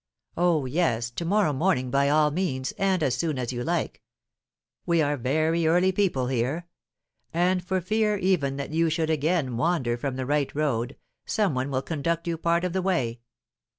"Oh, yes, to morrow morning by all means, and as soon as you like; we are very early people here. And, for fear even that you should again wander from the right road, some one shall conduct you part of the way."